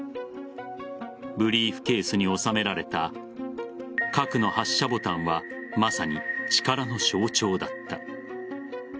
ブリーフケースに収められた核の発射ボタンはまさに力の象徴だった。